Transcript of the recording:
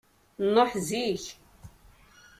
Nṛuḥ zik.